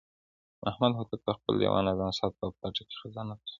محمد هوتک د خپل دېوان نظم او ثبت په پټه خزانه کې ترسره کړ.